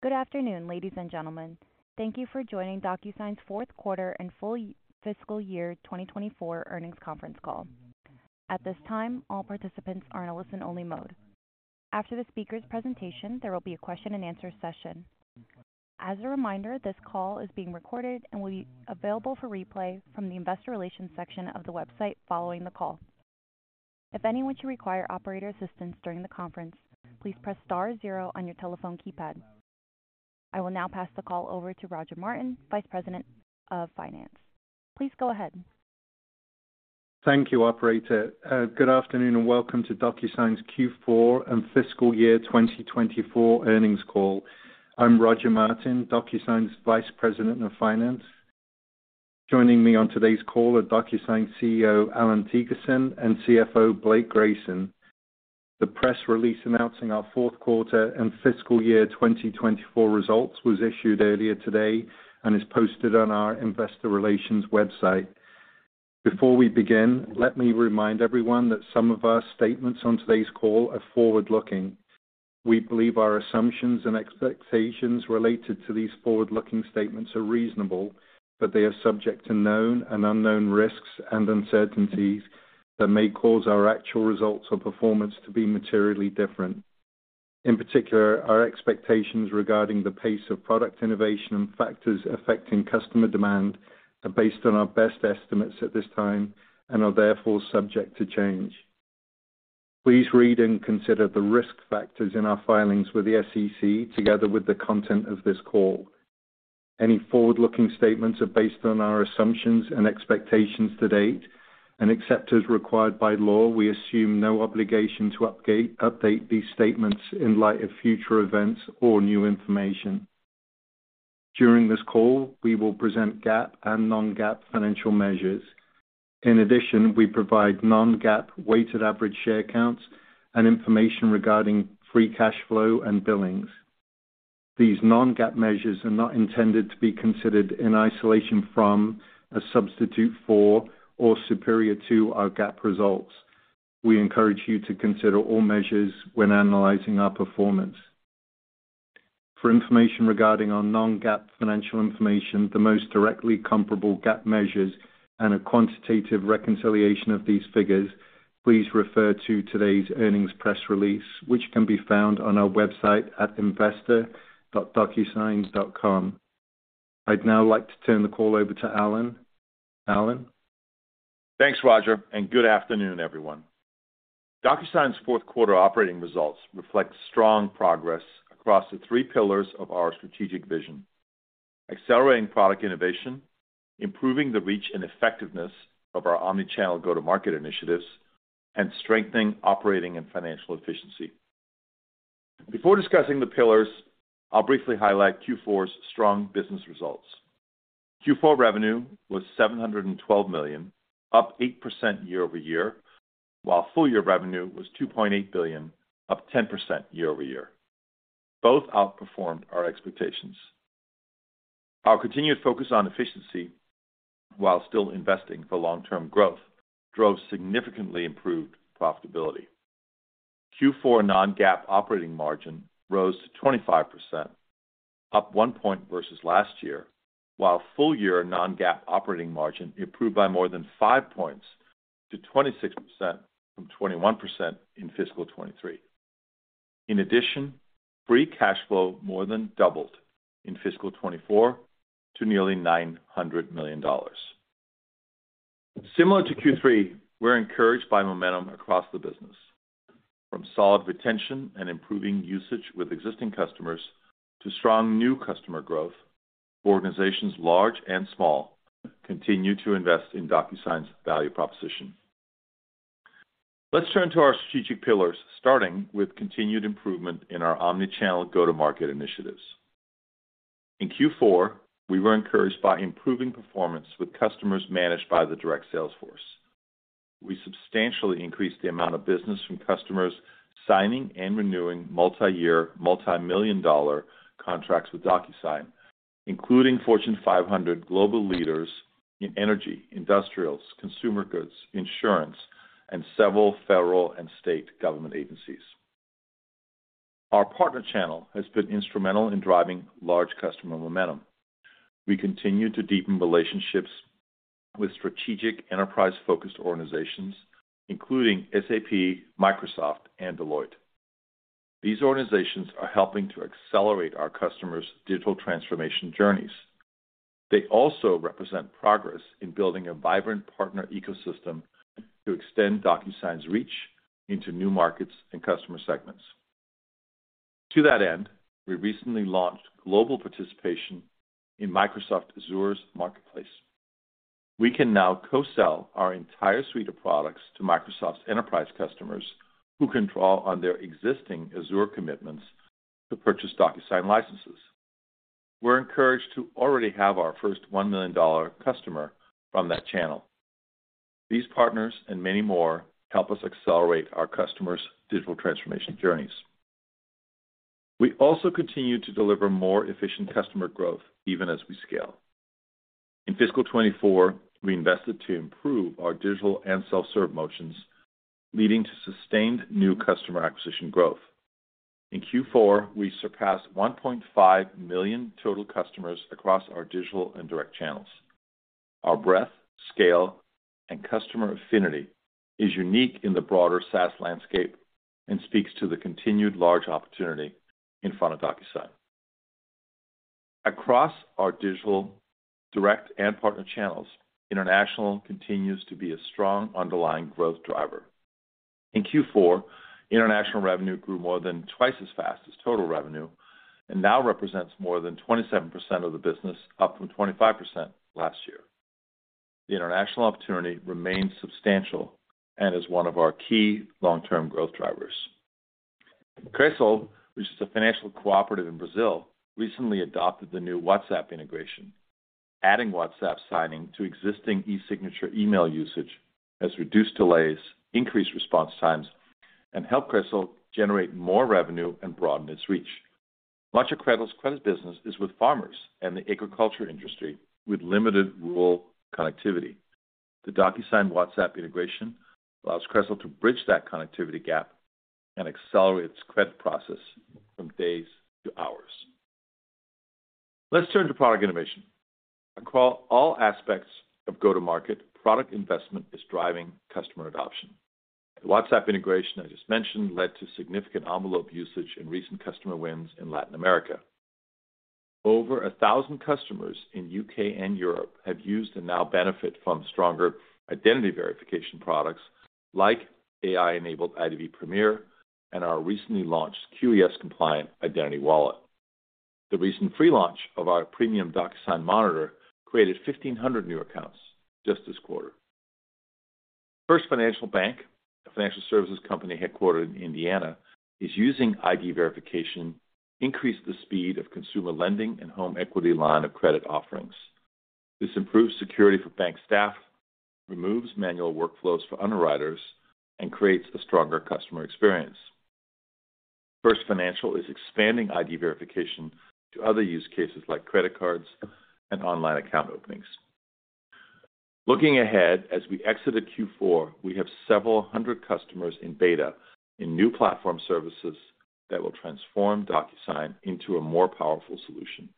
Good afternoon, ladies and gentlemen. Thank you for joining DocuSign's fourth quarter and full fiscal year 2024 earnings conference call. At this time, all participants are in a listen-only mode. After the speaker's presentation, there will be a question-and-answer session. As a reminder, this call is being recorded and will be available for replay from the investor relations section of the website following the call. If anyone should require operator assistance during the conference, please press star 0 on your telephone keypad. I will now pass the call over to Roger Martin, Vice President of Finance. Please go ahead. Thank you, Operator. Good afternoon and welcome to DocuSign's Q4 and fiscal year 2024 earnings call. I'm Roger Martin, DocuSign's Vice President of Finance. Joining me on today's call are DocuSign CEO Allan Thygesen and CFO Blake Grayson. The press release announcing our fourth quarter and fiscal year 2024 results was issued earlier today and is posted on our investor relations website. Before we begin, let me remind everyone that some of our statements on today's call are forward-looking. We believe our assumptions and expectations related to these forward-looking statements are reasonable, but they are subject to known and unknown risks and uncertainties that may cause our actual results or performance to be materially different. In particular, our expectations regarding the pace of product innovation and factors affecting customer demand are based on our best estimates at this time and are therefore subject to change. Please read and consider the risk factors in our filings with the SEC together with the content of this call. Any forward-looking statements are based on our assumptions and expectations to date, and except as required by law, we assume no obligation to update these statements in light of future events or new information. During this call, we will present GAAP and non-GAAP financial measures. In addition, we provide non-GAAP weighted average share counts and information regarding free cash flow and billings. These non-GAAP measures are not intended to be considered in isolation from, as substitute for, or superior to our GAAP results. We encourage you to consider all measures when analyzing our performance. For information regarding our non-GAAP financial information, the most directly comparable GAAP measures, and a quantitative reconciliation of these figures, please refer to today's earnings press release, which can be found on our website at investor.docusign.com. I'd now like to turn the call over to Allan. Allan? Thanks, Roger, and good afternoon, everyone. DocuSign's fourth quarter operating results reflect strong progress across the three pillars of our strategic vision: accelerating product innovation, improving the reach and effectiveness of our omnichannel go-to-market initiatives, and strengthening operating and financial efficiency. Before discussing the pillars, I'll briefly highlight Q4's strong business results. Q4 revenue was $712 million, up 8% year-over-year, while full-year revenue was $2.8 billion, up 10% year-over-year. Both outperformed our expectations. Our continued focus on efficiency while still investing for long-term growth drove significantly improved profitability. Q4 non-GAAP operating margin rose to 25%, up 1 point versus last year, while full-year non-GAAP operating margin improved by more than 5 points to 26% from 21% in fiscal 2023. In addition, free cash flow more than doubled in fiscal 2024 to nearly $900 million. Similar to Q3, we're encouraged by momentum across the business. From solid retention and improving usage with existing customers to strong new customer growth, organizations large and small continue to invest in DocuSign's value proposition. Let's turn to our strategic pillars, starting with continued improvement in our omnichannel go-to-market initiatives. In Q4, we were encouraged by improving performance with customers managed by the direct sales force. We substantially increased the amount of business from customers signing and renewing multi-year, multi-million dollar contracts with DocuSign, including Fortune 500 global leaders in energy, industrials, consumer goods, insurance, and several federal and state government agencies. Our partner channel has been instrumental in driving large customer momentum. We continue to deepen relationships with strategic enterprise-focused organizations, including SAP, Microsoft, and Deloitte. These organizations are helping to accelerate our customers' digital transformation journeys. They also represent progress in building a vibrant partner ecosystem to extend DocuSign's reach into new markets and customer segments. To that end, we recently launched global participation in Microsoft Azure's marketplace. We can now co-sell our entire suite of products to Microsoft's enterprise customers who draw on their existing Azure commitments to purchase DocuSign licenses. We're encouraged to already have our first $1 million customer from that channel. These partners and many more help us accelerate our customers' digital transformation journeys. We also continue to deliver more efficient customer growth even as we scale. In fiscal 2024, we invested to improve our digital and self-serve motions, leading to sustained new customer acquisition growth. In Q4, we surpassed 1.5 million total customers across our digital and direct channels. Our breadth, scale, and customer affinity is unique in the broader SaaS landscape and speaks to the continued large opportunity in front of DocuSign. Across our digital direct and partner channels, international continues to be a strong underlying growth driver. In Q4, international revenue grew more than twice as fast as total revenue and now represents more than 27% of the business, up from 25% last year. The international opportunity remains substantial and is one of our key long-term growth drivers. Cresol, which is a financial cooperative in Brazil, recently adopted the new WhatsApp integration, adding WhatsApp signing to existing e-signature email usage, has reduced delays, increased response times, and helped Cresol generate more revenue and broaden its reach. Much of Cresol's business is with farmers and the agriculture industry with limited rural connectivity. The DocuSign WhatsApp integration allows Cresol to bridge that connectivity gap and accelerate its credit process from days to hours. Let's turn to product innovation. Across all aspects of go-to-market, product investment is driving customer adoption. The WhatsApp integration I just mentioned led to significant envelope usage and recent customer wins in Latin America. Over 1,000 customers in the U.K. and Europe have used and now benefit from stronger identity verification products like AI-enabled IDV Premier and our recently launched QES-compliant Identity Wallet. The recent free launch of our premium DocuSign Monitor created 1,500 new accounts just this quarter. First Financial Bank, a financial services company headquartered in Indiana, is using ID verification to increase the speed of consumer lending and home equity line of credit offerings. This improves security for bank staff, removes manual workflows for underwriters, and creates a stronger customer experience. First Financial is expanding ID verification to other use cases like credit cards and online account openings. Looking ahead as we exit Q4, we have several hundred customers in beta in new platform services that will transform DocuSign into a more powerful solution.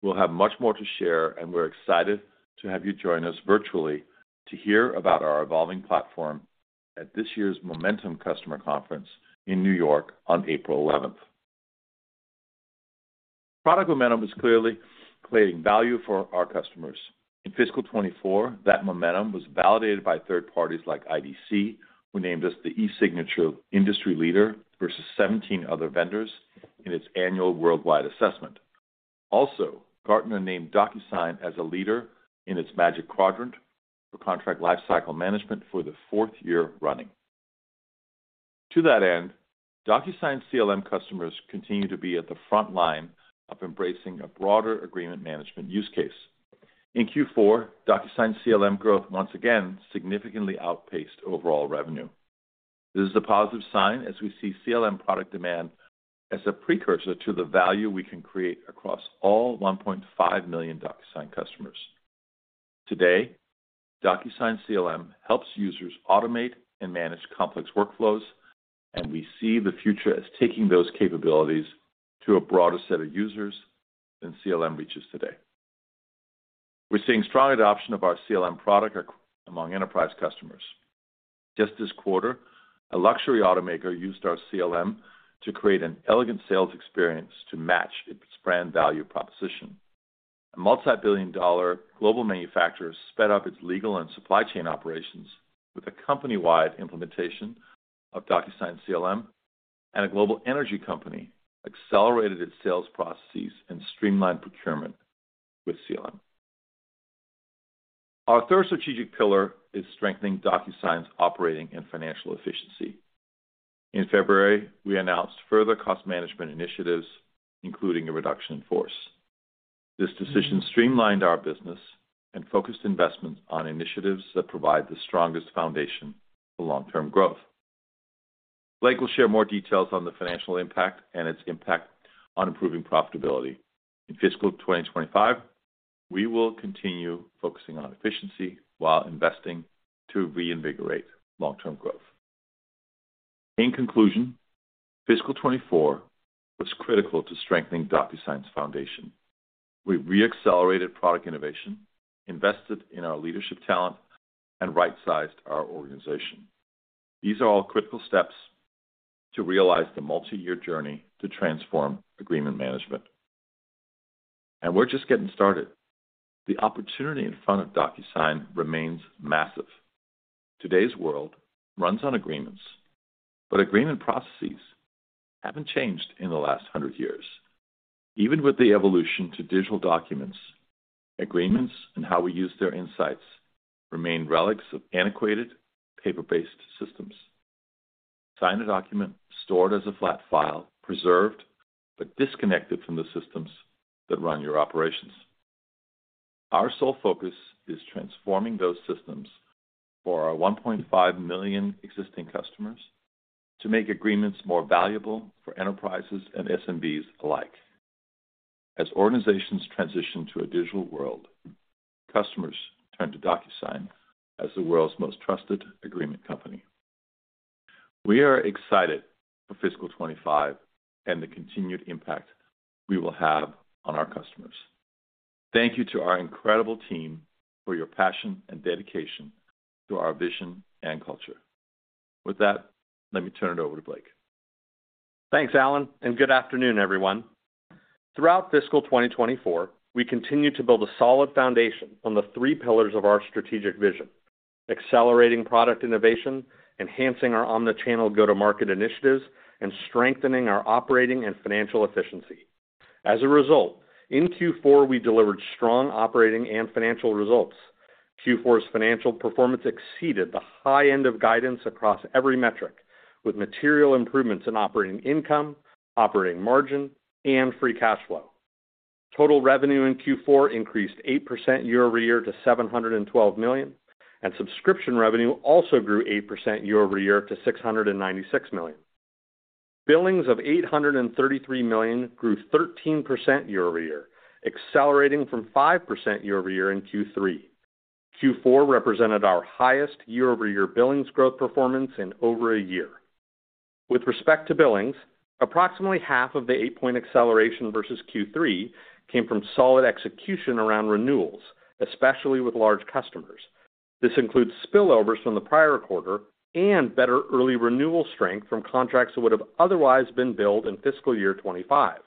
We'll have much more to share, and we're excited to have you join us virtually to hear about our evolving platform at this year's Momentum Customer Conference in New York on April 11th. Product momentum is clearly creating value for our customers. In fiscal 2024, that momentum was validated by third parties like IDC, who named us the e-signature industry leader versus 17 other vendors in its annual worldwide assessment. Also, Gartner named DocuSign as a leader in its Magic Quadrant for Contract Lifecycle Management for the fourth year running. To that end, DocuSign CLM customers continue to be at the front line of embracing a broader agreement management use case. In Q4, DocuSign CLM growth once again significantly outpaced overall revenue. This is a positive sign as we see CLM product demand as a precursor to the value we can create across all 1.5 million DocuSign customers. Today, DocuSign CLM helps users automate and manage complex workflows, and we see the future as taking those capabilities to a broader set of users than CLM reaches today. We're seeing strong adoption of our CLM product among enterprise customers. Just this quarter, a luxury automaker used our CLM to create an elegant sales experience to match its brand value proposition. A multi-billion dollar global manufacturer sped up its legal and supply chain operations with a company-wide implementation of DocuSign CLM, and a global energy company accelerated its sales processes and streamlined procurement with CLM. Our third strategic pillar is strengthening DocuSign's operating and financial efficiency. In February, we announced further cost management initiatives, including a reduction in force. This decision streamlined our business and focused investments on initiatives that provide the strongest foundation for long-term growth. Blake will share more details on the financial impact and its impact on improving profitability. In fiscal 2025, we will continue focusing on efficiency while investing to reinvigorate long-term growth. In conclusion, fiscal 2024 was critical to strengthening DocuSign's foundation. We reaccelerated product innovation, invested in our leadership talent, and right-sized our organization. These are all critical steps to realize the multi-year journey to transform agreement management. And we're just getting started. The opportunity in front of DocuSign remains massive. Today's world runs on agreements, but agreement processes haven't changed in the last 100 years. Even with the evolution to digital documents, agreements and how we use their insights remain relics of antiquated paper-based systems. Sign a document stored as a flat file, preserved but disconnected from the systems that run your operations. Our sole focus is transforming those systems for our 1.5 million existing customers to make agreements more valuable for enterprises and SMBs alike. As organizations transition to a digital world, customers turn to DocuSign as the world's most trusted agreement company. We are excited for fiscal 2025 and the continued impact we will have on our customers. Thank you to our incredible team for your passion and dedication to our vision and culture. With that, let me turn it over to Blake. Thanks, Allan, and good afternoon, everyone. Throughout fiscal 2024, we continue to build a solid foundation on the three pillars of our strategic vision: accelerating product innovation, enhancing our omnichannel go-to-market initiatives, and strengthening our operating and financial efficiency. As a result, in Q4 we delivered strong operating and financial results. Q4's financial performance exceeded the high end of guidance across every metric, with material improvements in operating income, operating margin, and free cash flow. Total revenue in Q4 increased 8% year-over-year to $712 million, and subscription revenue also grew 8% year-over-year to $696 million. Billings of $833 million grew 13% year-over-year, accelerating from 5% year-over-year in Q3. Q4 represented our highest year-over-year billings growth performance in over a year. With respect to billings, approximately half of the 8-point acceleration versus Q3 came from solid execution around renewals, especially with large customers. This includes spillovers from the prior quarter and better early renewal strength from contracts that would have otherwise been billed in fiscal year 2025.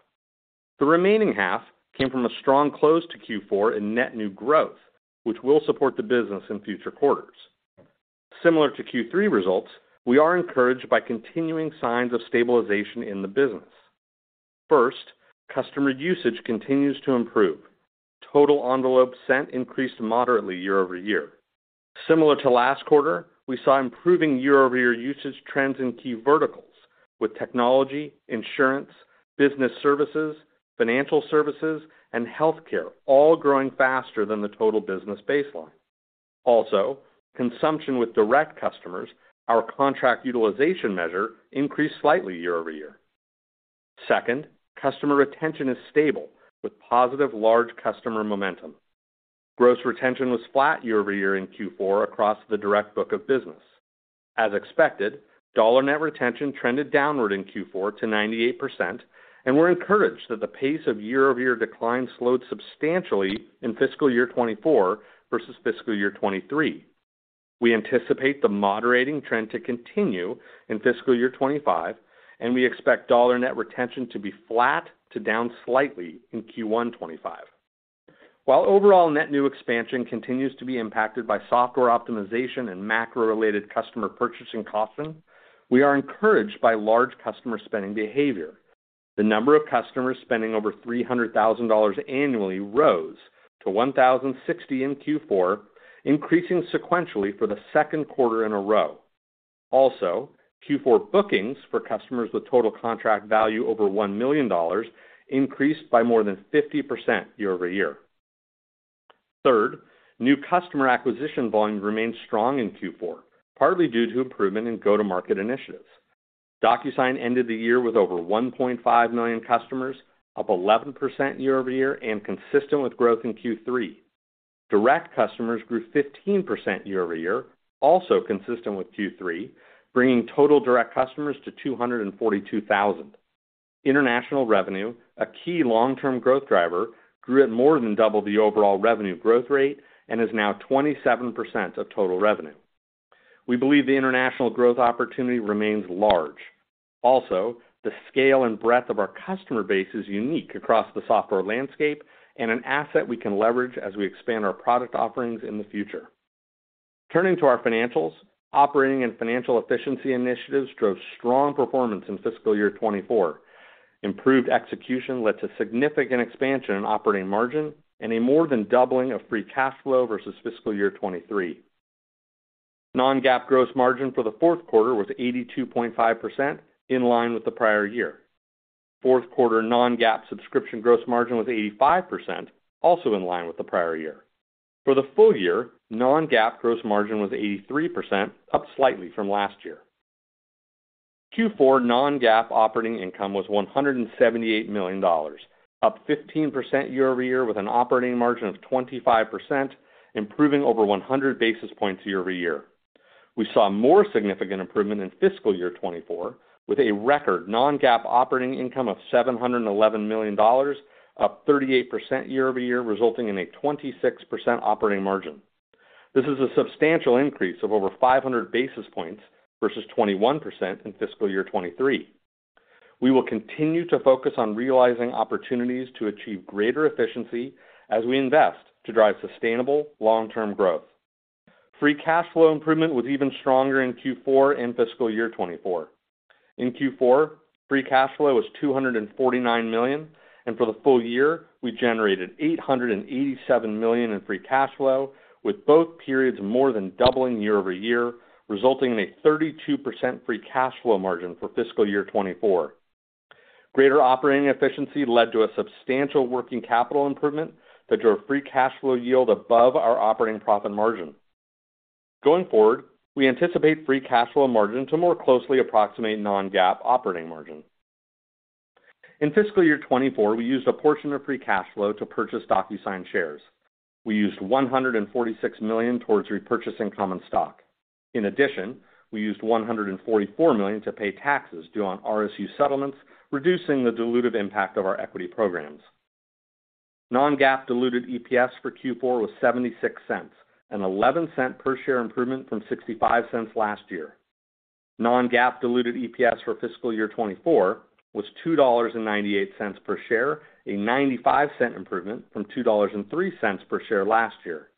The remaining half came from a strong close to Q4 in net new growth, which will support the business in future quarters. Similar to Q3 results, we are encouraged by continuing signs of stabilization in the business. First, customer usage continues to improve. Total envelope sent increased moderately year-over-year. Similar to last quarter, we saw improving year-over-year usage trends in key verticals, with technology, insurance, business services, financial services, and healthcare all growing faster than the total business baseline. Also, consumption with direct customers, our contract utilization measure, increased slightly year-over-year. Second, customer retention is stable, with positive large customer momentum. Gross retention was flat year-over-year in Q4 across the direct book of business. As expected, dollar net retention trended downward in Q4 to 98%, and we're encouraged that the pace of year-over-year decline slowed substantially in fiscal year 2024 versus fiscal year 2023. We anticipate the moderating trend to continue in fiscal year 2025, and we expect dollar net retention to be flat to down slightly in Q1 2025. While overall net new expansion continues to be impacted by software optimization and macro-related customer purchasing caution, we are encouraged by large customer spending behavior. The number of customers spending over $300,000 annually rose to 1,060 in Q4, increasing sequentially for the second quarter in a row. Also, Q4 bookings for customers with total contract value over $1 million increased by more than 50% year-over-year. Third, new customer acquisition volume remained strong in Q4, partly due to improvement in go-to-market initiatives. DocuSign ended the year with over 1.5 million customers, up 11% year-over-year and consistent with growth in Q3. Direct customers grew 15% year-over-year, also consistent with Q3, bringing total direct customers to 242,000. International revenue, a key long-term growth driver, grew at more than double the overall revenue growth rate and is now 27% of total revenue. We believe the international growth opportunity remains large. Also, the scale and breadth of our customer base is unique across the software landscape and an asset we can leverage as we expand our product offerings in the future. Turning to our financials, operating and financial efficiency initiatives drove strong performance in fiscal year 2024. Improved execution led to significant expansion in operating margin and a more than doubling of free cash flow versus fiscal year 2023. Non-GAAP gross margin for the fourth quarter was 82.5%, in line with the prior year. Fourth quarter non-GAAP subscription gross margin was 85%, also in line with the prior year. For the full year, non-GAAP gross margin was 83%, up slightly from last year. Q4 non-GAAP operating income was $178 million, up 15% year-over-year with an operating margin of 25%, improving over 100 basis points year-over-year. We saw more significant improvement in fiscal year 2024, with a record non-GAAP operating income of $711 million, up 38% year-over-year, resulting in a 26% operating margin. This is a substantial increase of over 500 basis points versus 21% in fiscal year 2023. We will continue to focus on realizing opportunities to achieve greater efficiency as we invest to drive sustainable long-term growth. Free cash flow improvement was even stronger in Q4 and fiscal year 2024. In Q4, free cash flow was $249 million, and for the full year we generated $887 million in free cash flow, with both periods more than doubling year-over-year, resulting in a 32% free cash flow margin for fiscal year 2024. Greater operating efficiency led to a substantial working capital improvement that drove free cash flow yield above our operating profit margin. Going forward, we anticipate free cash flow margin to more closely approximate non-GAAP operating margin. In fiscal year 2024, we used a portion of free cash flow to purchase DocuSign shares. We used $146 million towards repurchasing common stock. In addition, we used $144 million to pay taxes due on RSU settlements, reducing the dilutive impact of our equity programs. Non-GAAP diluted EPS for Q4 was $0.76, a $0.11 per-share improvement from $0.65 last year. Non-GAAP diluted EPS for fiscal year 2024 was $2.98 per share, a $0.95 improvement from $2.03 per share last year.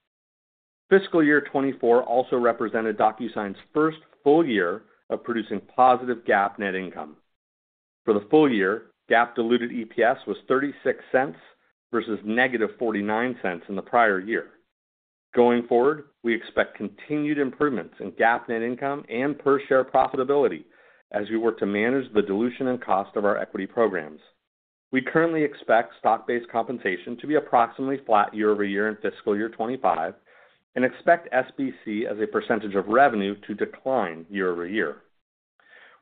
Fiscal year 2024 also represented DocuSign's first full year of producing positive GAAP net income. For the full year, GAAP diluted EPS was $0.36 versus -$0.49 in the prior year. Going forward, we expect continued improvements in GAAP net income and per-share profitability as we work to manage the dilution and cost of our equity programs. We currently expect stock-based compensation to be approximately flat year-over-year in fiscal year 2025 and expect SBC as a percentage of revenue to decline year-over-year.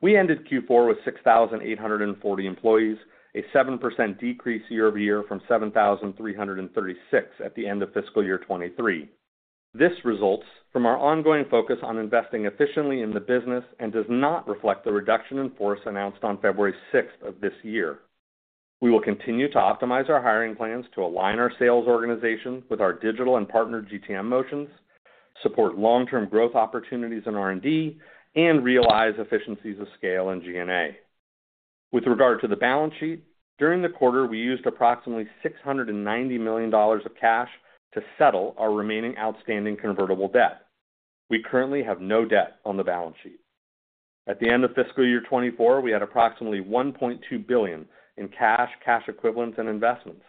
We ended Q4 with 6,840 employees, a 7% decrease year-over-year from 7,336 at the end of fiscal year 2023. This results from our ongoing focus on investing efficiently in the business and does not reflect the reduction in force announced on February 6 of this year. We will continue to optimize our hiring plans to align our sales organization with our digital and partner GTM motions, support long-term growth opportunities in R&D, and realize efficiencies of scale in G&A. With regard to the balance sheet, during the quarter we used approximately $690 million of cash to settle our remaining outstanding convertible debt. We currently have no debt on the balance sheet. At the end of fiscal year 2024, we had approximately $1.2 billion in cash, cash equivalents, and investments.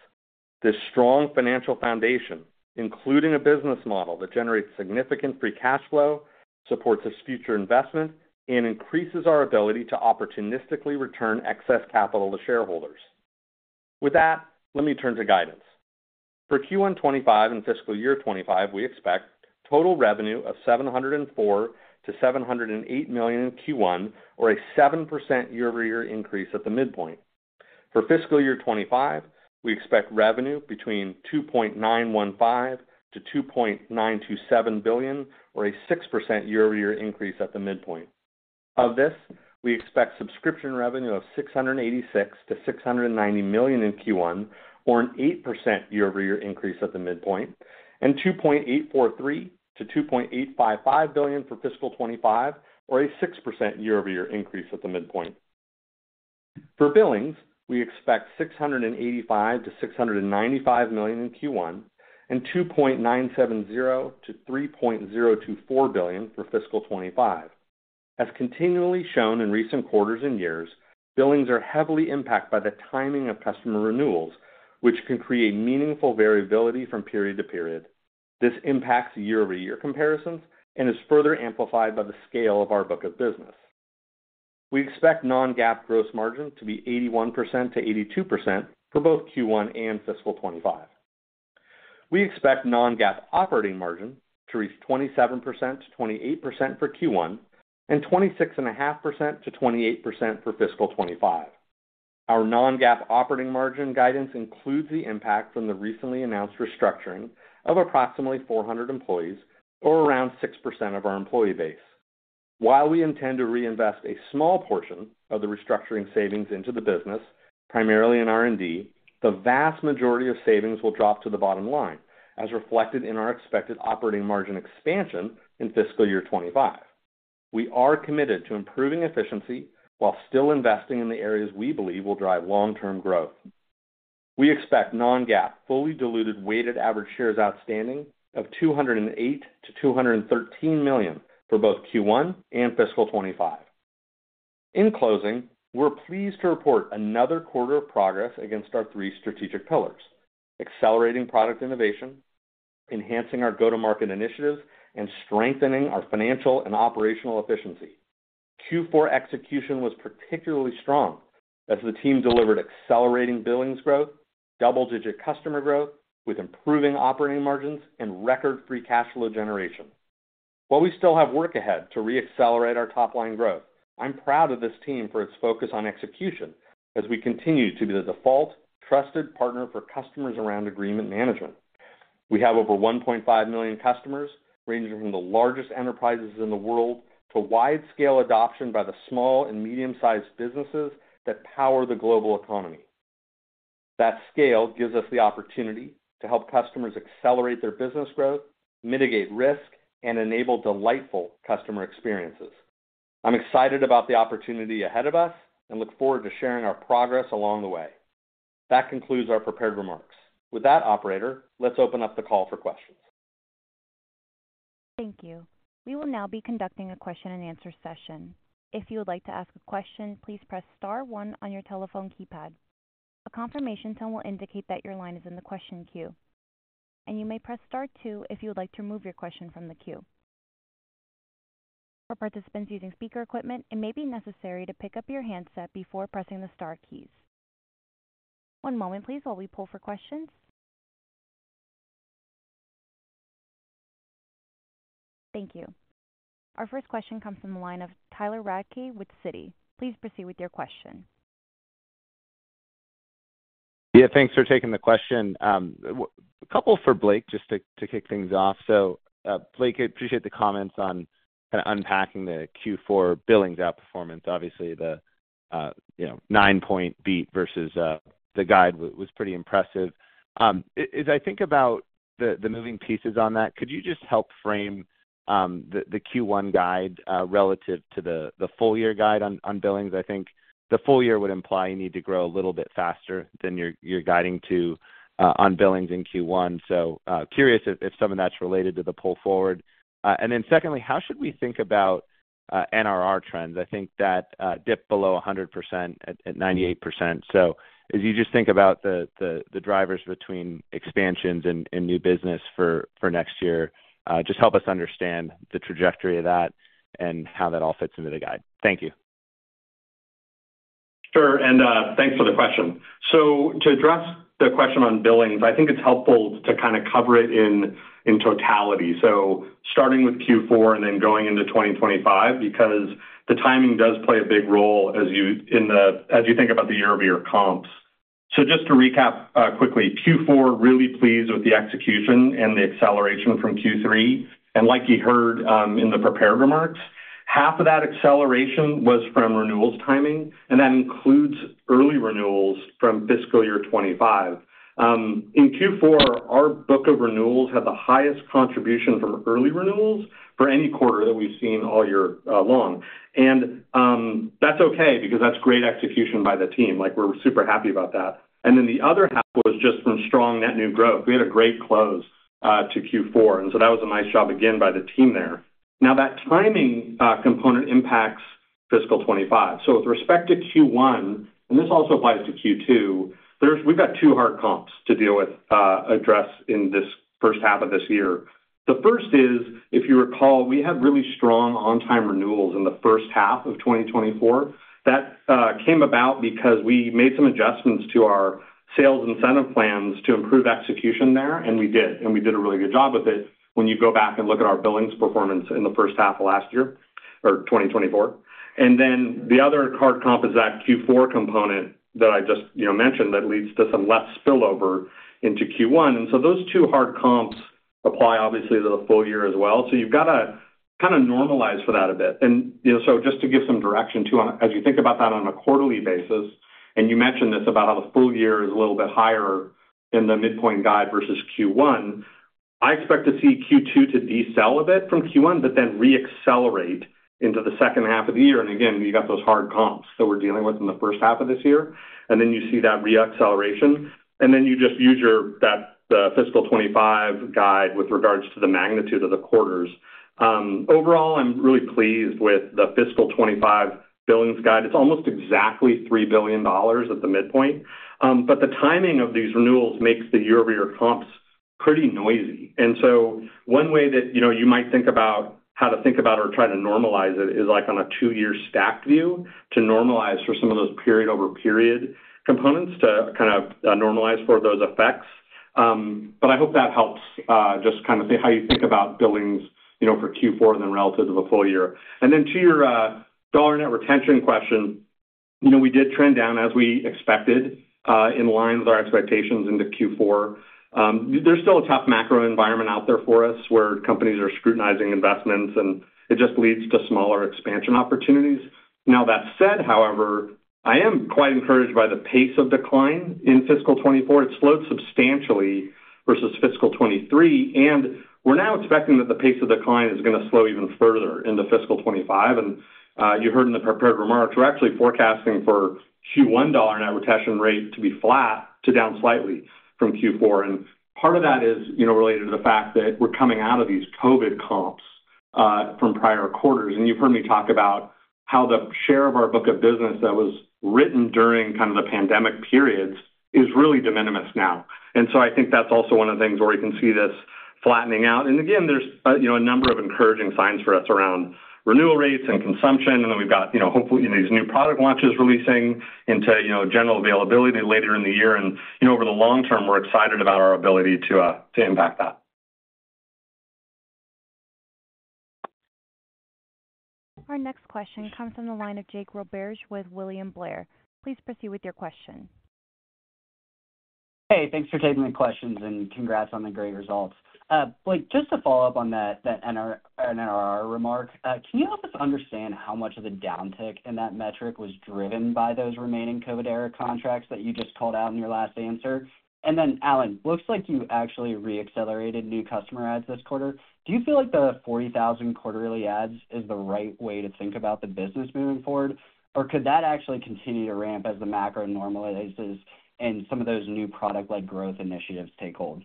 This strong financial foundation, including a business model that generates significant free cash flow, supports its future investment, and increases our ability to opportunistically return excess capital to shareholders. With that, let me turn to guidance. For Q1 2025 and fiscal year 2025, we expect total revenue of $704 million-$708 million in Q1 2025, or a 7% year-over-year increase at the midpoint. For fiscal year 2025, we expect revenue between $2.915 billion-$2.927 billion, or a 6% year-over-year increase at the midpoint. Of this, we expect subscription revenue of $686 million-$690 million in Q1 2025, or an 8% year-over-year increase at the midpoint, and $2.843 billion-$2.855 billion for fiscal 2025, or a 6% year-over-year increase at the midpoint. For billings, we expect $685 million-$695 million in Q1 2025, and $2.970 billion-$3.024 billion for fiscal 2025. As continually shown in recent quarters and years, billings are heavily impacted by the timing of customer renewals, which can create meaningful variability from period to period. This impacts year-over-year comparisons and is further amplified by the scale of our book of business. We expect non-GAAP gross margin to be 81%-82% for both Q1 and fiscal 2025. We expect non-GAAP operating margin to reach 27%-28% for Q1, and 26.5%-28% for fiscal 2025. Our non-GAAP operating margin guidance includes the impact from the recently announced restructuring of approximately 400 employees, or around 6% of our employee base. While we intend to reinvest a small portion of the restructuring savings into the business, primarily in R&D, the vast majority of savings will drop to the bottom line, as reflected in our expected operating margin expansion in fiscal year 2025. We are committed to improving efficiency while still investing in the areas we believe will drive long-term growth. We expect non-GAAP fully diluted weighted average shares outstanding of $208-$213 million for both Q1 and fiscal 2025. In closing, we're pleased to report another quarter of progress against our three strategic pillars: accelerating product innovation, enhancing our go-to-market initiatives, and strengthening our financial and operational efficiency. Q4 execution was particularly strong as the team delivered accelerating billings growth, double-digit customer growth, with improving operating margins, and record free cash flow generation. While we still have work ahead to reaccelerate our top-line growth, I'm proud of this team for its focus on execution as we continue to be the default, trusted partner for customers around agreement management. We have over 1.5 million customers, ranging from the largest enterprises in the world to wide-scale adoption by the small and medium-sized businesses that power the global economy. That scale gives us the opportunity to help customers accelerate their business growth, mitigate risk, and enable delightful customer experiences. I'm excited about the opportunity ahead of us and look forward to sharing our progress along the way. That concludes our prepared remarks. With that, operator, let's open up the call for questions. Thank you. We will now be conducting a question-and-answer session. If you would like to ask a question, please press star one on your telephone keypad. A confirmation tone will indicate that your line is in the question queue. And you may press star two if you would like to remove your question from the queue. For participants using speaker equipment, it may be necessary to pick up your handset before pressing the star keys. One moment, please, while we pull for questions. Thank you. Our first question comes from the line of Tyler Radke with Citi. Please proceed with your question. Yeah, thanks for taking the question. A couple for Blake, just to kick things off. So Blake, I appreciate the comments on kind of unpacking the Q4 billings outperformance. Obviously, the 9-point beat versus the guide was pretty impressive. As I think about the moving pieces on that, could you just help frame the Q1 guide relative to the full-year guide on billings? I think the full-year would imply you need to grow a little bit faster than you're guiding to on billings in Q1. So curious if some of that's related to the pull forward. And then secondly, how should we think about NRR trends? I think that dip below 100% at 98%. So as you just think about the drivers between expansions and new business for next year, just help us understand the trajectory of that and how that all fits into the guide. Thank you. Sure. And thanks for the question. So to address the question on billings, I think it's helpful to kind of cover it in totality. So starting with Q4 and then going into 2025, because the timing does play a big role as you think about the year-over-year comps. So just to recap quickly, Q4 really pleased with the execution and the acceleration from Q3. And like you heard in the prepared remarks, half of that acceleration was from renewals timing, and that includes early renewals from fiscal year 2025. In Q4, our book of renewals had the highest contribution from early renewals for any quarter that we've seen all year long. And that's okay because that's great execution by the team. We're super happy about that. And then the other half was just from strong net new growth. We had a great close to Q4, and so that was a nice job again by the team there. Now, that timing component impacts fiscal 2025. So with respect to Q1, and this also applies to Q2, we've got two hard comps to deal with, address in this first half of this year. The first is, if you recall, we had really strong on-time renewals in the first half of 2024. That came about because we made some adjustments to our sales incentive plans to improve execution there, and we did. And we did a really good job with it when you go back and look at our billings performance in the first half of last year or 2024. And then the other hard comp is that Q4 component that I just mentioned that leads to some less spillover into Q1. So those two hard comps apply, obviously, to the full year as well. So you've got to kind of normalize for that a bit. And so just to give some direction too, as you think about that on a quarterly basis, and you mentioned this about how the full year is a little bit higher in the midpoint guide versus Q1, I expect to see Q2 to decel a bit from Q1 but then reaccelerate into the second half of the year. And again, you got those hard comps that we're dealing with in the first half of this year. And then you see that reacceleration. And then you just use that fiscal 2025 guide with regards to the magnitude of the quarters. Overall, I'm really pleased with the fiscal 2025 billings guide. It's almost exactly $3 billion at the midpoint. But the timing of these renewals makes the year-over-year comps pretty noisy. And so one way that you might think about how to think about or try to normalize it is on a two-year stacked view to normalize for some of those period-over-period components to kind of normalize for those effects. But I hope that helps just kind of see how you think about billings for Q4 than relative to the full year. And then to your dollar net retention question, we did trend down as we expected in line with our expectations into Q4. There's still a tough macro environment out there for us where companies are scrutinizing investments, and it just leads to smaller expansion opportunities. Now, that said, however, I am quite encouraged by the pace of decline in fiscal 2024. It slowed substantially versus fiscal 2023, and we're now expecting that the pace of decline is going to slow even further into fiscal 2025. You heard in the prepared remarks, we're actually forecasting for Q1 dollar net retention rate to be flat to down slightly from Q4. Part of that is related to the fact that we're coming out of these COVID comps from prior quarters. You've heard me talk about how the share of our book of business that was written during kind of the pandemic periods is really de minimis now. So I think that's also one of the things where we can see this flattening out. Again, there's a number of encouraging signs for us around renewal rates and consumption. Then we've got, hopefully, these new product launches releasing into general availability later in the year. Over the long term, we're excited about our ability to impact that. Our next question comes from the line of Jake Roberge with William Blair. Please proceed with your question. Hey, thanks for taking the questions and congrats on the great results. Blake, just to follow up on that NRR remark, can you help us understand how much of the downtick in that metric was driven by those remaining COVID-era contracts that you just called out in your last answer? And then, Allan, looks like you actually reaccelerated new customer ads this quarter. Do you feel like the 40,000 quarterly ads is the right way to think about the business moving forward, or could that actually continue to ramp as the macro normalizes and some of those new product-led growth initiatives take hold?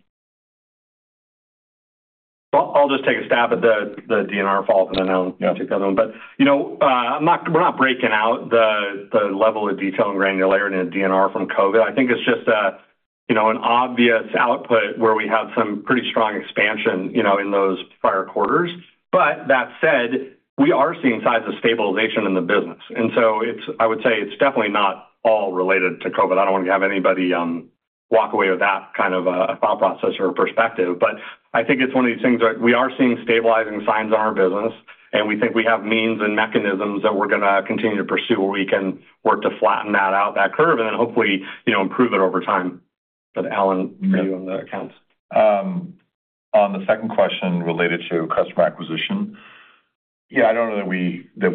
I'll just take a stab at the DNR follow-up, and then I'll take the other one. But we're not breaking out the level of detail and granularity in DNR from COVID. I think it's just an obvious output where we had some pretty strong expansion in those prior quarters. But that said, we are seeing signs of stabilization in the business. And so I would say it's definitely not all related to COVID. I don't want to have anybody walk away with that kind of a thought process or perspective. But I think it's one of these things where we are seeing stabilizing signs on our business, and we think we have means and mechanisms that we're going to continue to pursue where we can work to flatten that out, that curve, and then hopefully improve it over time. But Allan, for you on the accounts. On the second question related to customer acquisition, yeah, I don't know that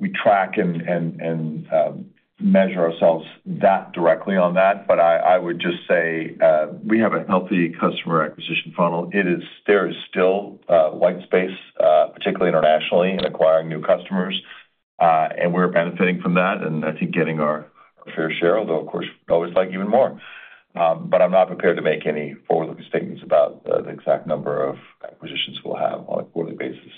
we track and measure ourselves that directly on that. But I would just say we have a healthy customer acquisition funnel. There is still white space, particularly internationally, in acquiring new customers, and we're benefiting from that and I think getting our fair share, although, of course, we'd always like even more. But I'm not prepared to make any forward-looking statements about the exact number of acquisitions we'll have on a quarterly basis.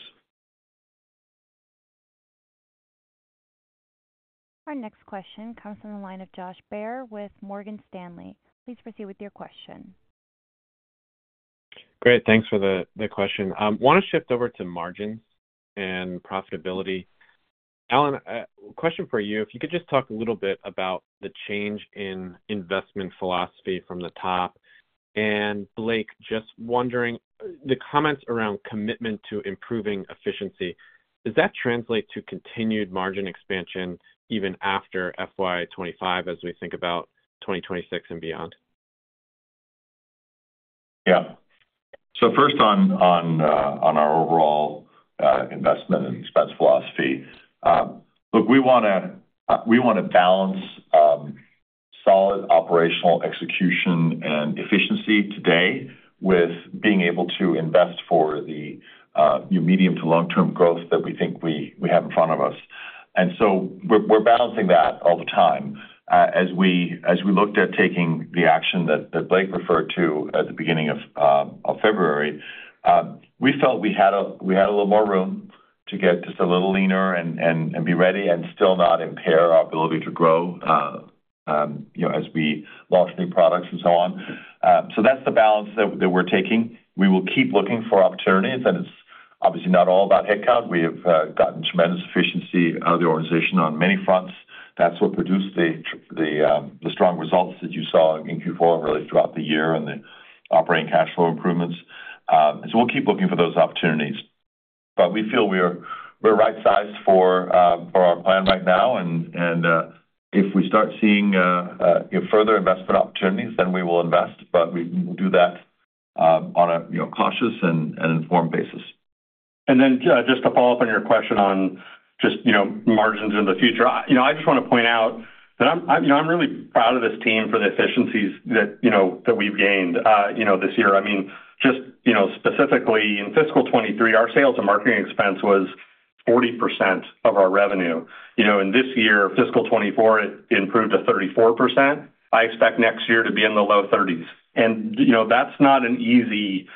Our next question comes from the line of Josh Baer with Morgan Stanley. Please proceed with your question. Great. Thanks for the question. Want to shift over to margins and profitability. Allan, question for you. If you could just talk a little bit about the change in investment philosophy from the top. And Blake, just wondering, the comments around commitment to improving efficiency, does that translate to continued margin expansion even after FY 2025 as we think about 2026 and beyond? Yeah. So first, on our overall investment and expense philosophy, look, we want to balance solid operational execution and efficiency today with being able to invest for the medium to long-term growth that we think we have in front of us. And so we're balancing that all the time. As we looked at taking the action that Blake referred to at the beginning of February, we felt we had a little more room to get just a little leaner and be ready and still not impair our ability to grow as we launch new products and so on. So that's the balance that we're taking. We will keep looking for opportunities, and it's obviously not all about headcount. We have gotten tremendous efficiency out of the organization on many fronts. That's what produced the strong results that you saw in Q4 and really throughout the year and the operating cash flow improvements. So we'll keep looking for those opportunities. But we feel we're right-sized for our plan right now. And if we start seeing further investment opportunities, then we will invest. But we will do that on a cautious and informed basis. Then just to follow up on your question on just margins in the future, I just want to point out that I'm really proud of this team for the efficiencies that we've gained this year. I mean, just specifically in fiscal 2023, our sales and marketing expense was 40% of our revenue. In this year, fiscal 2024, it improved to 34%. I expect next year to be in the low 30s. And that's not an easy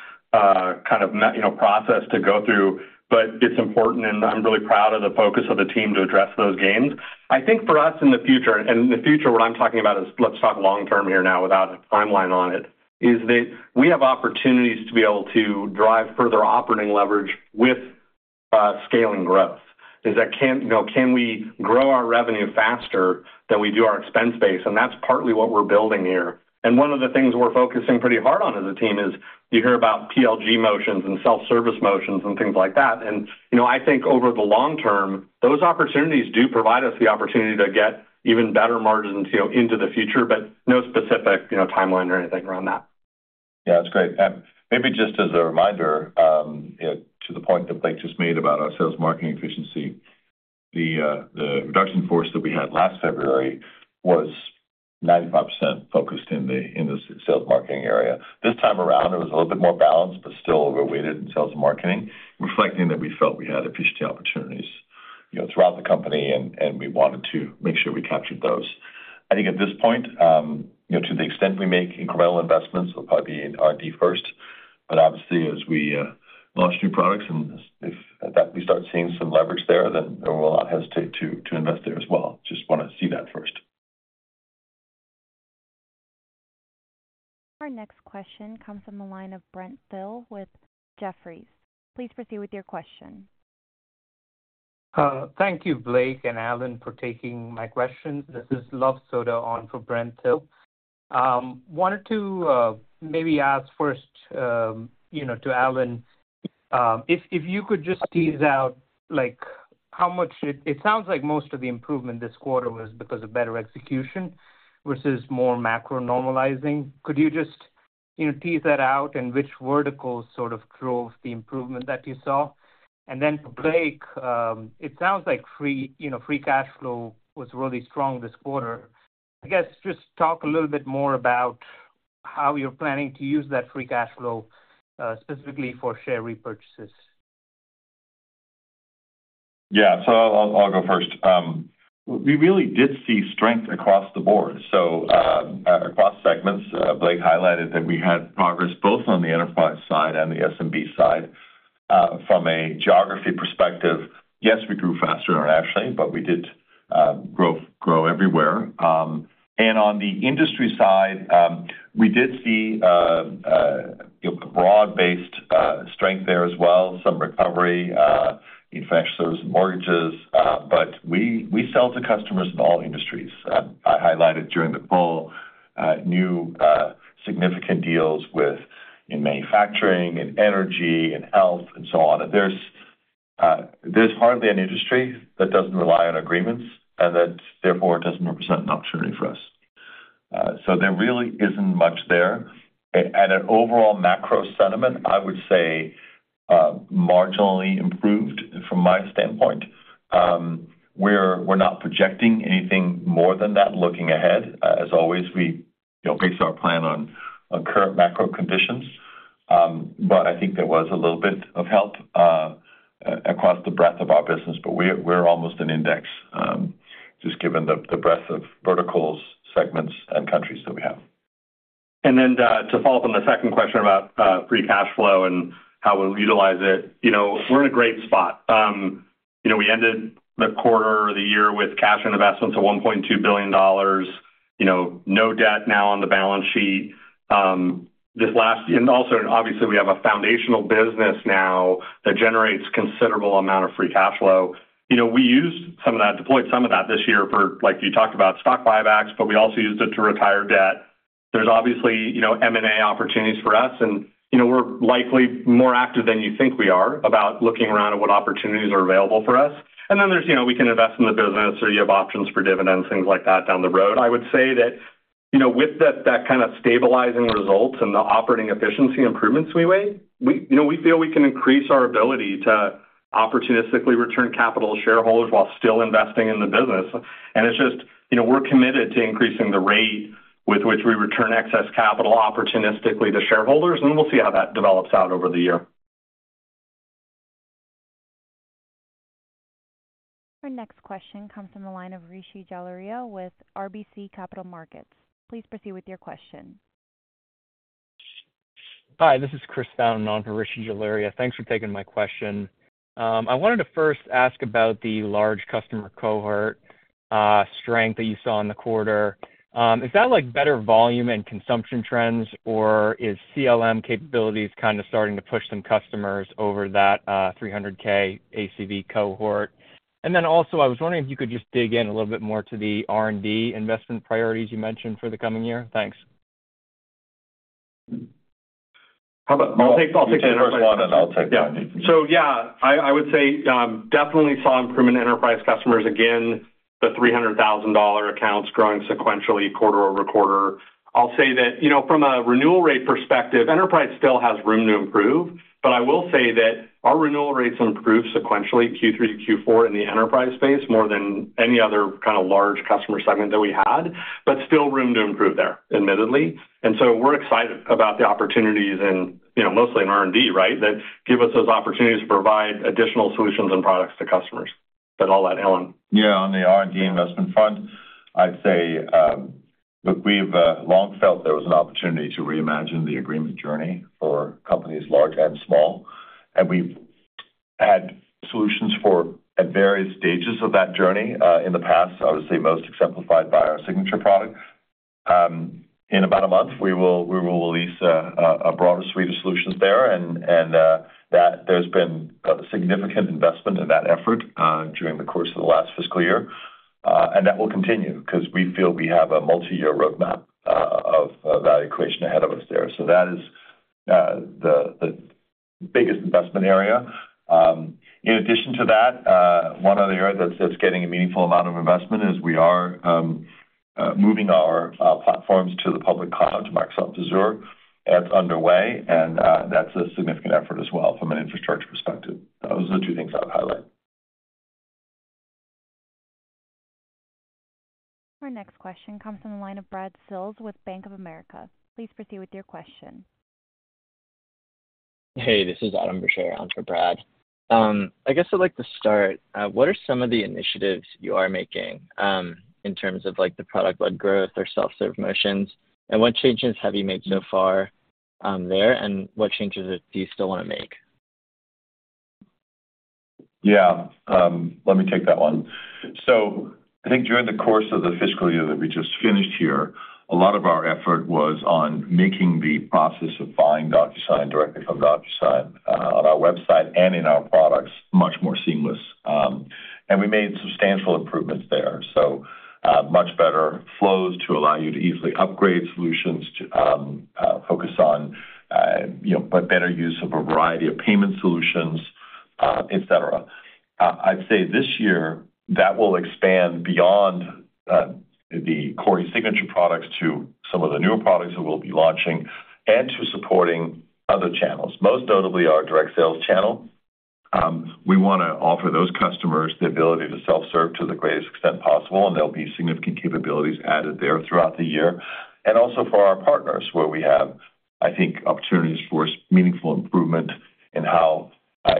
kind of process to go through, but it's important, and I'm really proud of the focus of the team to address those gains. I think for us in the future and in the future, what I'm talking about is let's talk long-term here now without a timeline on it, is that we have opportunities to be able to drive further operating leverage with scaling growth. Is that can we grow our revenue faster than we do our expense base? That's partly what we're building here. One of the things we're focusing pretty hard on as a team is you hear about PLG motions and self-service motions and things like that. I think over the long term, those opportunities do provide us the opportunity to get even better margins into the future, but no specific timeline or anything around that. Yeah, that's great. Maybe just as a reminder, to the point that Blake just made about our sales marketing efficiency, the reduction force that we had last February was 95% focused in the sales marketing area. This time around, it was a little bit more balanced but still overweighted in sales and marketing, reflecting that we felt we had efficiency opportunities throughout the company, and we wanted to make sure we captured those. I think at this point, to the extent we make incremental investments, it'll probably be in R&D first. But obviously, as we launch new products and if we start seeing some leverage there, then we'll not hesitate to invest there as well. Just want to see that first. Our next question comes from the line of Brent Thill with Jefferies. Please proceed with your question. Thank you, Blake and Allan, for taking my questions. This is Luv Sodha on for Brent Thill. Wanted to maybe ask first to Allan, if you could just tease out how much it sounds like most of the improvement this quarter was because of better execution versus more macro normalizing. Could you just tease that out and which verticals sort of drove the improvement that you saw? And then for Blake, it sounds like free cash flow was really strong this quarter. I guess just talk a little bit more about how you're planning to use that free cash flow specifically for share repurchases. Yeah. So I'll go first. We really did see strength across the board. So across segments, Blake highlighted that we had progress both on the enterprise side and the SMB side. From a geography perspective, yes, we grew faster internationally, but we did grow everywhere. And on the industry side, we did see a broad-based strength there as well, some recovery in financial services and mortgages. But we sell to customers in all industries. I highlighted during the fall new significant deals in manufacturing and energy and health and so on. There's hardly an industry that doesn't rely on agreements and that, therefore, doesn't represent an opportunity for us. So there really isn't much there. And an overall macro sentiment, I would say, marginally improved from my standpoint. We're not projecting anything more than that looking ahead. As always, we base our plan on current macro conditions. But I think there was a little bit of help across the breadth of our business, but we're almost an index just given the breadth of verticals, segments, and countries that we have. And then to follow up on the second question about free cash flow and how we'll utilize it, we're in a great spot. We ended the quarter or the year with cash and investments of $1.2 billion, no debt now on the balance sheet. And also, obviously, we have a foundational business now that generates a considerable amount of free cash flow. We used some of that deployed some of that this year for, like you talked about, stock buybacks, but we also used it to retire debt. There's obviously M&A opportunities for us, and we're likely more active than you think we are about looking around at what opportunities are available for us. And then there's we can invest in the business or you have options for dividends, things like that down the road. I would say that with that kind of stabilizing results and the operating efficiency improvements, we feel we can increase our ability to opportunistically return capital to shareholders while still investing in the business. It's just we're committed to increasing the rate with which we return excess capital opportunistically to shareholders, and we'll see how that develops out over the year. Our next question comes from the line of Rishi Jaluria with RBC Capital Markets. Please proceed with your question. Hi. This is Chris Fountain on for Rishi Jaluria. Thanks for taking my question. I wanted to first ask about the large customer cohort strength that you saw in the quarter. Is that better volume and consumption trends, or is CLM capabilities kind of starting to push some customers over that $300K ACV cohort? And then also, I was wondering if you could just dig in a little bit more to the R&D investment priorities you mentioned for the coming year. Thanks. I'll take the first one, and I'll take the second. So yeah, I would say definitely saw improvement in enterprise customers. Again, the $300,000 accounts growing sequentially quarter-over-quarter. I'll say that from a renewal rate perspective, enterprise still has room to improve, but I will say that our renewal rates improved sequentially Q3 to Q4 in the enterprise space more than any other kind of large customer segment that we had, but still room to improve there, admittedly. And so we're excited about the opportunities, mostly in R&D, right, that give us those opportunities to provide additional solutions and products to customers. But all that, Allan. Yeah. On the R&D investment front, I'd say, look, we've long felt there was an opportunity to reimagine the agreement journey for companies large and small. We've had solutions at various stages of that journey in the past, obviously most exemplified by our signature product. In about a month, we will release a broader suite of solutions there, and there's been significant investment in that effort during the course of the last fiscal year. That will continue because we feel we have a multi-year roadmap of value creation ahead of us there. So that is the biggest investment area. In addition to that, one other area that's getting a meaningful amount of investment is we are moving our platforms to the public cloud, to Microsoft Azure. That's underway, and that's a significant effort as well from an infrastructure perspective. Those are the two things I would highlight. Our next question comes from the line of Brad Sills with Bank of America. Please proceed with your question. Hey, this is Adam Bergere. I'm for Brad. I guess I'd like to start. What are some of the initiatives you are making in terms of the product-led growth or self-serve motions? And what changes have you made so far there, and what changes do you still want to make? Yeah. Let me take that one. So I think during the course of the fiscal year that we just finished here, a lot of our effort was on making the process of buying DocuSign directly from DocuSign on our website and in our products much more seamless. And we made substantial improvements there, so much better flows to allow you to easily upgrade solutions, focus on better use of a variety of payment solutions, etc. I'd say this year, that will expand beyond the core signature products to some of the newer products that we'll be launching and to supporting other channels, most notably our direct sales channel. We want to offer those customers the ability to self-serve to the greatest extent possible, and there'll be significant capabilities added there throughout the year. Also for our partners where we have, I think, opportunities for meaningful improvement in how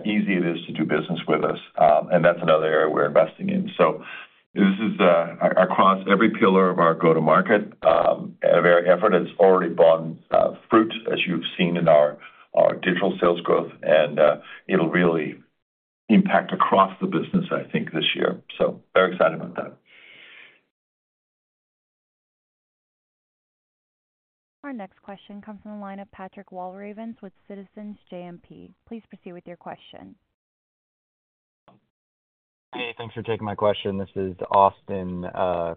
easy it is to do business with us. That's another area we're investing in. So this is across every pillar of our go-to-market, and an effort that's already borne fruit, as you've seen in our digital sales growth. It'll really impact across the business, I think, this year. So very excited about that. Our next question comes from the line of Patrick Walravens with Citizens JMP. Please proceed with your question. Hey, thanks for taking my question. This is Austin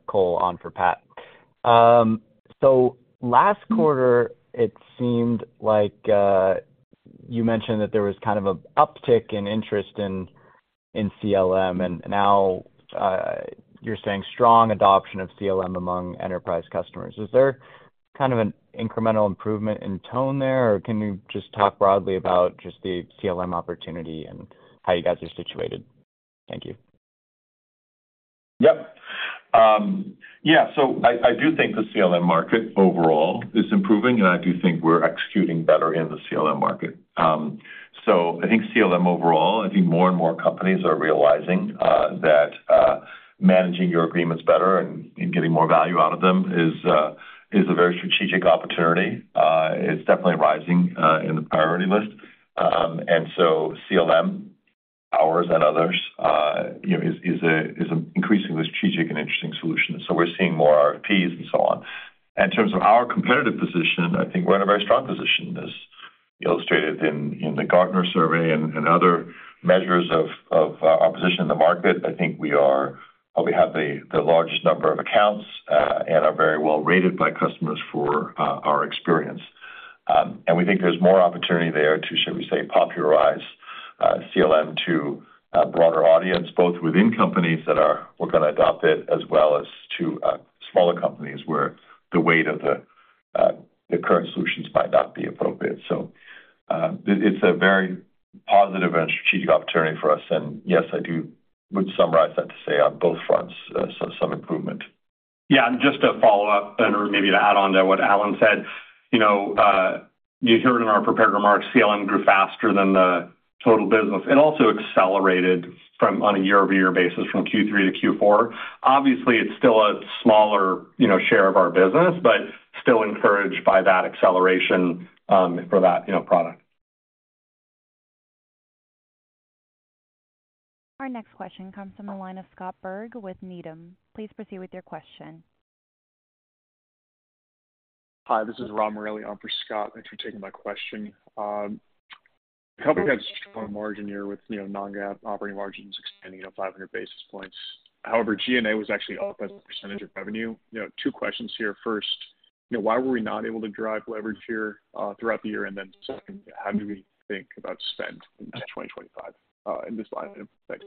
Cole on for Pat. So last quarter, it seemed like you mentioned that there was kind of an uptick in interest in CLM, and now you're saying strong adoption of CLM among enterprise customers. Is there kind of an incremental improvement in tone there, or can you just talk broadly about just the CLM opportunity and how you guys are situated? Thank you. Yep. Yeah. So I do think the CLM market overall is improving, and I do think we're executing better in the CLM market. So I think CLM overall, I think more and more companies are realizing that managing your agreements better and getting more value out of them is a very strategic opportunity. It's definitely rising in the priority list. And so CLM, ours, and others is an increasingly strategic and interesting solution. So we're seeing more RFPs and so on. In terms of our competitive position, I think we're in a very strong position. As illustrated in the Gartner survey and other measures of our position in the market, I think we probably have the largest number of accounts and are very well rated by customers for our experience. We think there's more opportunity there to, should we say, popularize CLM to a broader audience, both within companies that are going to adopt it as well as to smaller companies where the weight of the current solutions might not be appropriate. So it's a very positive and strategic opportunity for us. And yes, I do would summarize that to say on both fronts, some improvement. Yeah. Just to follow up and maybe to add on to what Allan said, you heard in our prepared remarks, CLM grew faster than the total business. It also accelerated on a year-over-year basis from Q3 to Q4. Obviously, it's still a smaller share of our business, but still encouraged by that acceleration for that product. Our next question comes from the line of Scott Berg with Needham. Please proceed with your question. Hi. This is Ryan Merrill on for Scott. Thanks for taking my question. We hope we had a strong margin year with non-GAAP operating margins expanding 500 basis points. However, G&A was actually up as a percentage of revenue. Two questions here. First, why were we not able to drive leverage here throughout the year? And then second, how do we think about spend in 2025 in this line of? Thanks.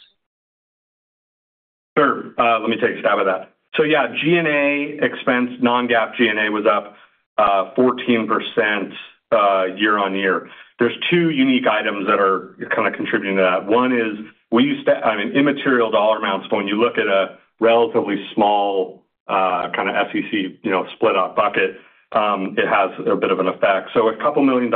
Sure. Let me take a stab at that. So yeah, G&A expense, non-GAAP G&A was up 14% year-over-year. There's two unique items that are kind of contributing to that. One is we used to I mean, immaterial dollar amounts, but when you look at a relatively small kind of SEC split-out bucket, it has a bit of an effect. So $2 million,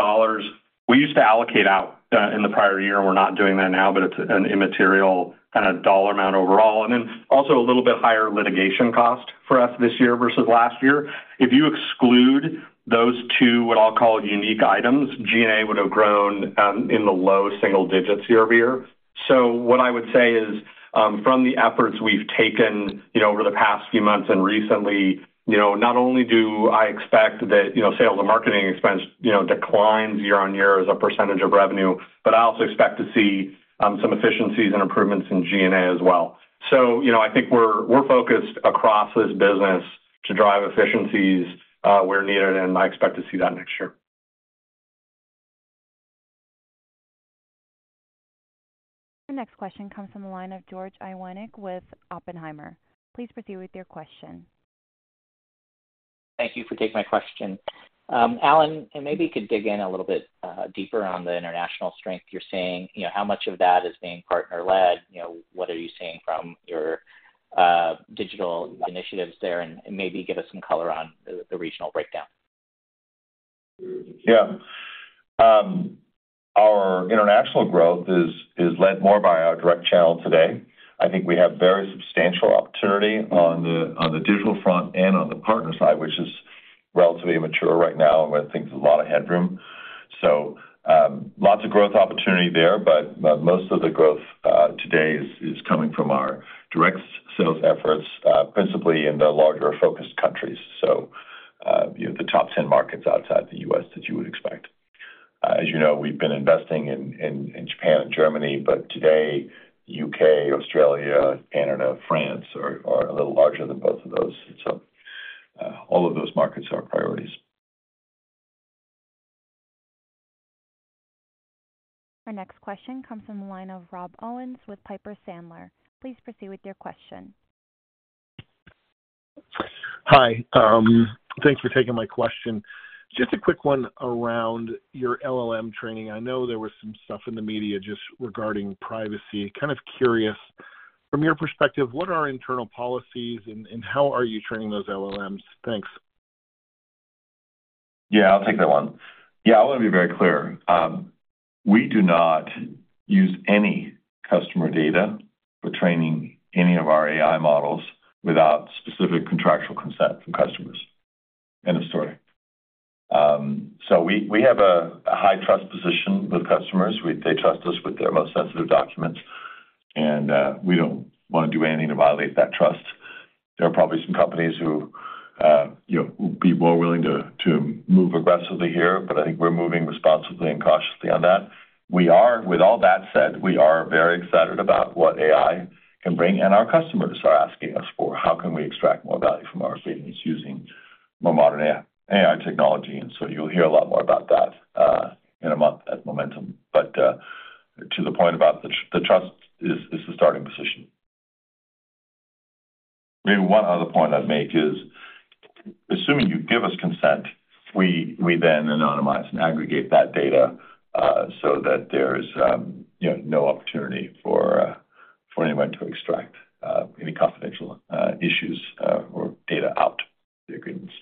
we used to allocate out in the prior year, and we're not doing that now, but it's an immaterial kind of dollar amount overall. And then also a little bit higher litigation cost for us this year versus last year. If you exclude those two, what I'll call unique items, G&A would have grown in the low single digits year-over-year. What I would say is from the efforts we've taken over the past few months and recently, not only do I expect that sales and marketing expense declines year-over-year as a percentage of revenue, but I also expect to see some efficiencies and improvements in G&A as well. I think we're focused across this business to drive efficiencies where needed, and I expect to see that next year. Our next question comes from the line of George Iwanyc with Oppenheimer. Please proceed with your question. Thank you for taking my question. Allan, and maybe you could dig in a little bit deeper on the international strength you're seeing. How much of that is being partner-led? What are you seeing from your digital initiatives there? And maybe give us some color on the regional breakdown. Yeah. Our international growth is led more by our direct channel today. I think we have very substantial opportunity on the digital front and on the partner side, which is relatively immature right now and where things have a lot of headroom. Lots of growth opportunity there, but most of the growth today is coming from our direct sales efforts, principally in the larger focused countries, so the top 10 markets outside the U.S. that you would expect. As you know, we've been investing in Japan and Germany, but today, U.K., Australia, Canada, France are a little larger than both of those. All of those markets are our priorities. Our next question comes from the line of Rob Owens with Piper Sandler. Please proceed with your question. Hi. Thanks for taking my question. Just a quick one around your LLM training. I know there was some stuff in the media just regarding privacy. Kind of curious, from your perspective, what are internal policies, and how are you training those LLMs? Thanks. Yeah. I'll take that one. Yeah. I want to be very clear. We do not use any customer data for training any of our AI models without specific contractual consent from customers. End of story. So we have a high trust position with customers. They trust us with their most sensitive documents, and we don't want to do anything to violate that trust. There are probably some companies who would be more willing to move aggressively here, but I think we're moving responsibly and cautiously on that. With all that said, we are very excited about what AI can bring, and our customers are asking us for, "How can we extract more value from our agreements using more modern AI technology?" And so you'll hear a lot more about that in a month at Momentum. But to the point about the trust, it's the starting position. Maybe one other point I'd make is, assuming you give us consent, we then anonymize and aggregate that data so that there's no opportunity for anyone to extract any confidential issues or data out of the agreements.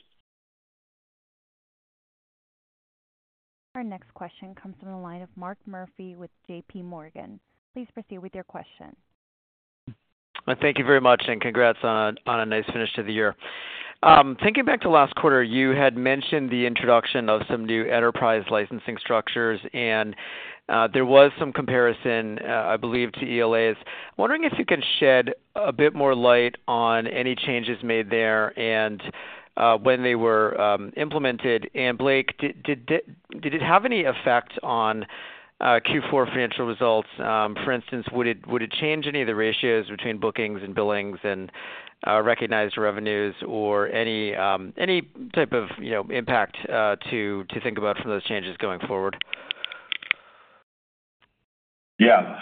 Our next question comes from the line of Mark Murphy with JPMorgan. Please proceed with your question. Thank you very much, and congrats on a nice finish to the year. Thinking back to last quarter, you had mentioned the introduction of some new enterprise licensing structures, and there was some comparison, I believe, to ELAs. Wondering if you can shed a bit more light on any changes made there and when they were implemented. And Blake, did it have any effect on Q4 financial results? For instance, would it change any of the ratios between bookings and billings and recognized revenues or any type of impact to think about from those changes going forward? Yeah.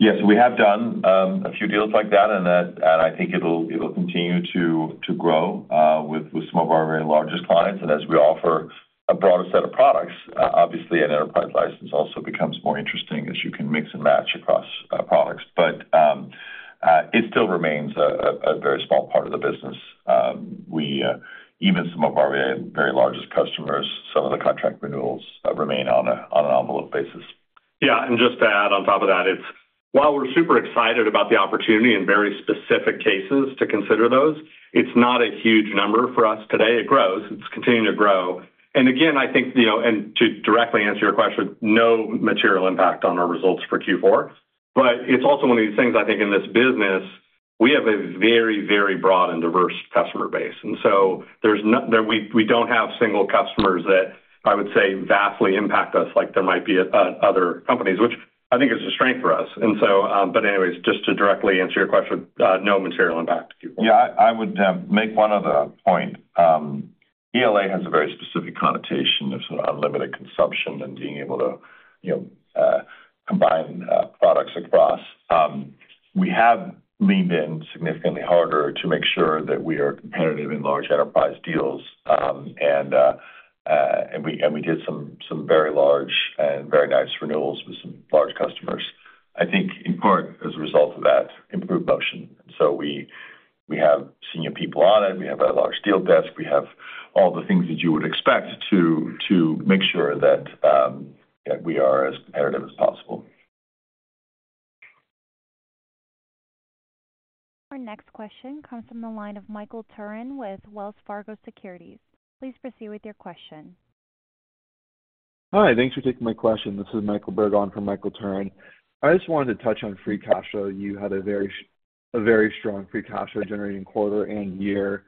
Yes. We have done a few deals like that, and I think it'll continue to grow with some of our very largest clients. And as we offer a broader set of products, obviously, an enterprise license also becomes more interesting as you can mix and match across products. But it still remains a very small part of the business. Even some of our very largest customers, some of the contract renewals remain on an envelope basis. Yeah. And just to add on top of that, while we're super excited about the opportunity in very specific cases to consider those, it's not a huge number for us today. It grows. It's continuing to grow. And again, I think, and to directly answer your question, no material impact on our results for Q4. But it's also one of these things, I think, in this business, we have a very, very broad and diverse customer base. And so we don't have single customers that I would say vastly impact us like there might be at other companies, which I think is a strength for us. But anyways, just to directly answer your question, no material impact to Q4. Yeah. I would make one other point. ELA has a very specific connotation of sort of unlimited consumption and being able to combine products across. We have leaned in significantly harder to make sure that we are competitive in large enterprise deals. We did some very large and very nice renewals with some large customers, I think in part as a result of that improved motion. We have senior people on it. We have a large deal desk. We have all the things that you would expect to make sure that we are as competitive as possible. Our next question comes from the line of Michael Turrin with Wells Fargo Securities. Please proceed with your question. Hi. Thanks for taking my question. This is Michael Berg on for Michael Turrin. I just wanted to touch on free cash flow. You had a very strong free cash flow-generating quarter and year.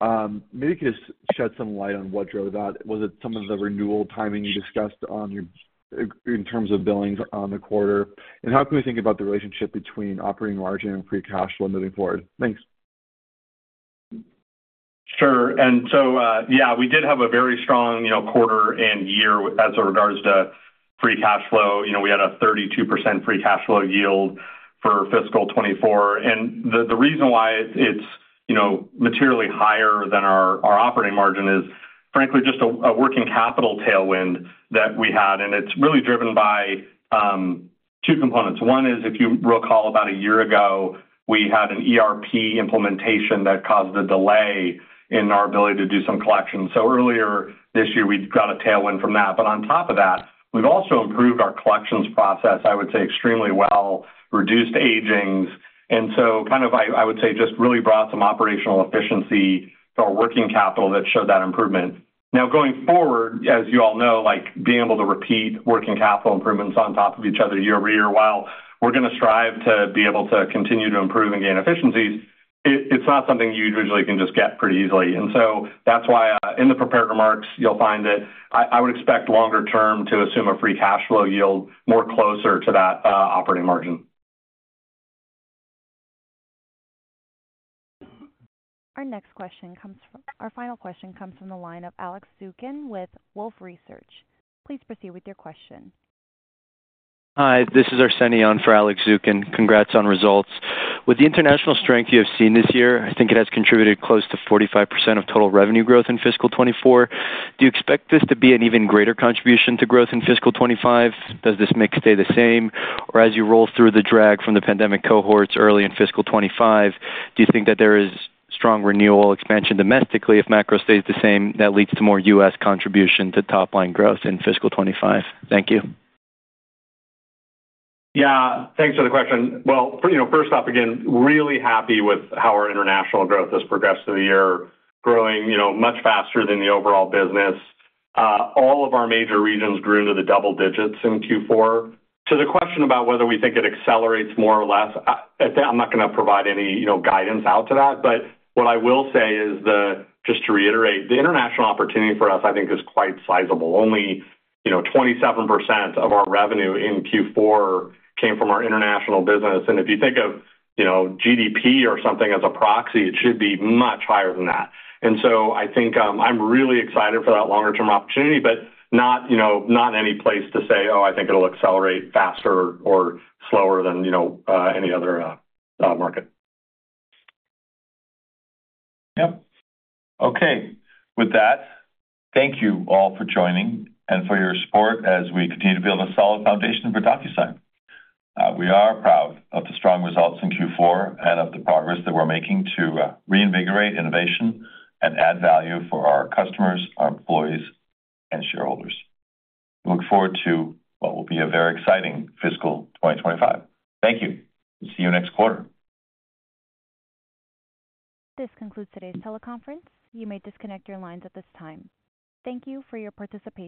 Maybe you could just shed some light on what drove that. Was it some of the renewal timing you discussed in terms of billings on the quarter? And how can we think about the relationship between operating margin and free cash flow moving forward? Thanks. Sure. Yeah, we did have a very strong quarter and year as regards to free cash flow. We had a 32% free cash flow yield for fiscal 2024. The reason why it's materially higher than our operating margin is, frankly, just a working capital tailwind that we had. It's really driven by two components. One is, if you recall, about a year ago, we had an ERP implementation that caused a delay in our ability to do some collections. Earlier this year, we got a tailwind from that. On top of that, we've also improved our collections process, I would say, extremely well, reduced agings. Kind of, I would say, just really brought some operational efficiency to our working capital that showed that improvement. Now, going forward, as you all know, being able to repeat working capital improvements on top of each other year-over-year, while we're going to strive to be able to continue to improve and gain efficiencies, it's not something you usually can just get pretty easily. And so that's why in the prepared remarks, you'll find that I would expect longer-term to assume a free cash flow yield more closer to that operating margin. Our next and final question comes from the line of Alex Zukin with Wolfe Research. Please proceed with your question. Hi. This is Arsenije for Alex Zukin. Congrats on results. With the international strength you have seen this year, I think it has contributed close to 45% of total revenue growth in fiscal 2024. Do you expect this to be an even greater contribution to growth in fiscal 2025? Does this mix stay the same? Or as you roll through the drag from the pandemic cohorts early in fiscal 2025, do you think that there is strong renewal expansion domestically? If macro stays the same, that leads to more U.S. contribution to top-line growth in fiscal 2025. Thank you. Yeah. Thanks for the question. Well, first off, again, really happy with how our international growth has progressed through the year, growing much faster than the overall business. All of our major regions grew into the double digits in Q4. To the question about whether we think it accelerates more or less, I'm not going to provide any guidance out to that. But what I will say is, just to reiterate, the international opportunity for us, I think, is quite sizable. Only 27% of our revenue in Q4 came from our international business. And if you think of GDP or something as a proxy, it should be much higher than that. And so I think I'm really excited for that longer-term opportunity, but not in any place to say, "Oh, I think it'll accelerate faster or slower than any other market. Yep. Okay. With that, thank you all for joining and for your support as we continue to build a solid foundation for DocuSign. We are proud of the strong results in Q4 and of the progress that we're making to reinvigorate innovation and add value for our customers, our employees, and shareholders. Look forward to what will be a very exciting fiscal 2025. Thank you. We'll see you next quarter. This concludes today's teleconference. You may disconnect your lines at this time. Thank you for your participation.